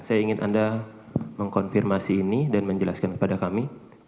saya ingin anda mengkonfirmasi ini dan menjelaskan kepada kami